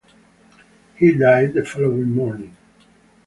He died the following morning.